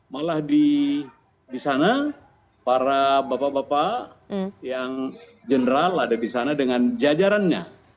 malah di sana para bapak bapak yang general ada di sana dengan jajarannya